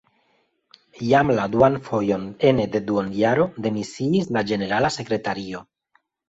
Jam la duan fojon ene de duonjaro demisiis la ĝenerala sekretario.